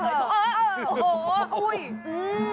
เออโอ้โฮ